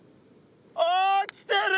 ああ来てる！